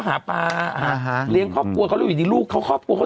หาปลาหาเลี้ยงครอบครัวเขาแล้วอยู่ดีลูกเขาครอบครัวเขา